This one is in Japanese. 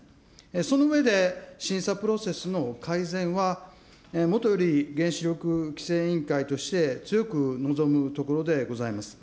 その上で、審査プロセスの改善はもとより原子力規制委員会として、強く望むところでございます。